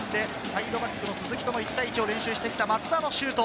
同学年でサイドバックの鈴木との１対１を練習してきた松田のシュート。